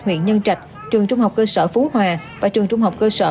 huyện nhân trạch trường trung học cơ sở phú hòa và trường trung học cơ sở